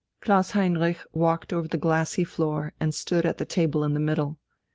Klaus Heinrich walked over the glassy floor and stood at the table in the middle.